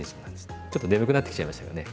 ちょっと眠くなってきちゃいましたよね？